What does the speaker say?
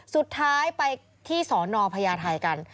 สุดท้ายไปที่สนพญาไทยกัน